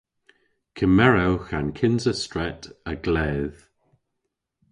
Kemerewgh an kynsa stret a-gledh.